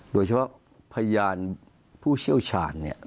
โดยเฉพาะพยานผู้เชี่ยวชาญ